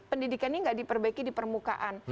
pendidikan ini tidak diperbaiki di permukaan